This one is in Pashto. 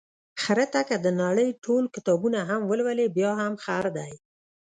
خره ته که د نړۍ ټول کتابونه هم ولولې، بیا هم خر دی.